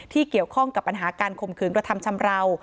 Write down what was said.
เกี่ยวข้องกับปัญหาการข่มขืนกระทำชำราว